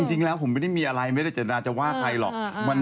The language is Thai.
จริงแล้วผมไม่ได้มีอะไรไม่ได้เจตนาจะว่าใครหรอก